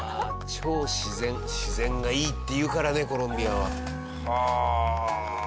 超自然自然がいいって言うからねコロンビアは。はあ。